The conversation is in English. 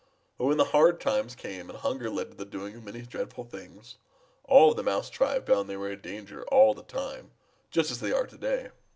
But when the hard times came and hunger led to the doing of many dreadful things, all of the Mouse tribe found that they were in danger all the time, just as they are to day.